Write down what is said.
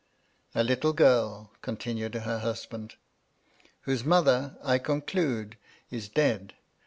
" A little girl," continued her husband, " whose mo ther, I conclude, is dead.